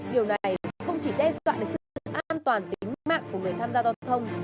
điều này không chỉ đe dọa đến sự an toàn tính mạng của người tham gia giao thông